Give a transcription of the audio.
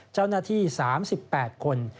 เจ้าหน้าที่๓๘คน